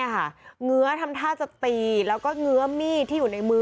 เหงือทำท่าจะตีแล้วก็เงื้อมีดที่อยู่ในมือ